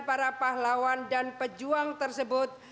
para pahlawan dan pejuang tersebut